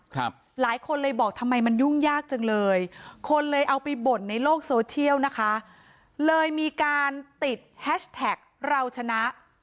หลายคนเลยบอกทำไมมันยุ่งยากจังเลยคนเลยเอาไปบ่นในโลกโซเชียลนะคะเลยมีการติดแฮชแท็กเราชนะ